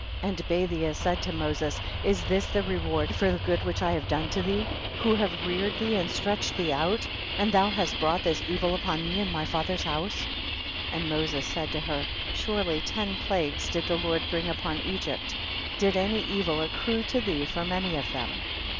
50. And Bathia said to Moses, is this the reward for the good which I have done to thee, who have reared thee and stretched thee out, and thou hast brought this evil upon me and my fatiier's liouse ? 51. And Moses said to her, surely ten plagues did the Lord bring upon Egypt ; did any evil accrue to thee from any of them